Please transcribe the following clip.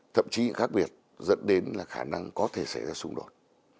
thậm chí khác biệt dẫn đến là khả năng có thể xảy ra xung đột